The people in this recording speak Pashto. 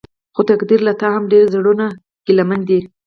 خو تقديره له تا هم ډېر زړونه ګيلمن دي.